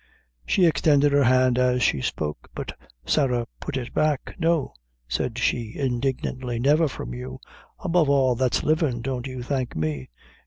She extended her hand as she spoke, but Sarah put it back. "No," said she, indignantly, "never from you; above all that's livin' don't you thank me.